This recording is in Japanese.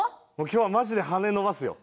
今日はもうマジで羽伸ばすよ。